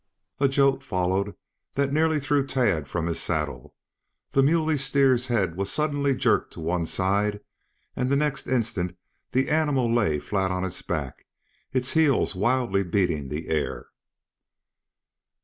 A jolt followed that nearly threw Tad from his saddle. The muley steer's head was suddenly jerked to one side and the next instant the animal lay flat on its back, its heels wildly beating the air.